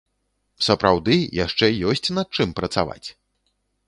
Сапраўды, яшчэ ёсць над чым працаваць!